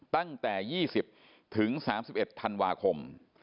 ตั้งแต่๒๐ถึง๓๑ธันวาคม